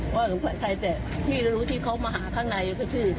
ว่าหรือใครแต่ที่รู้ที่เขามาหาข้างในก็คือ